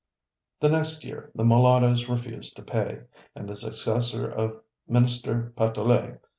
" The next year, the Mulattoes refused to pay, and the successor of Minister Patoulet, M.